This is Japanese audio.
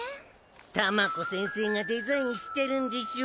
たまこ先生がデザインしてるんでしょ？